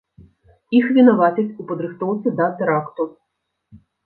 Іх вінавацяць у падрыхтоўцы да тэракту.